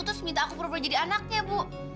terus minta aku purba jadi anaknya bu